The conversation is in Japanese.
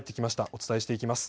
お伝えしていきます。